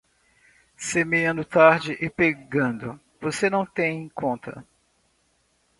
Semeando tarde e pegando, você não tem conta.